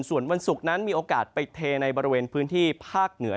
ส่วนวันศุกร์นั้นมีโอกาสไปเทในบริเวณพื้นที่ภาคเหนือ